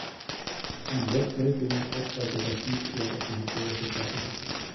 Zum gesetzmäßigen Auftrag des Archivs gehört auch die historische Forschungsarbeit.